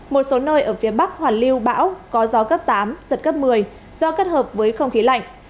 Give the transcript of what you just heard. một số nơi ở phía bắc hoàn lưu bão có gió cấp tám giật cấp một mươi do kết hợp với không khí lạnh